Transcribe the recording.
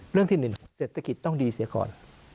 เรื่องที่๑เศรษฐกิจต้องดีเสียก่อน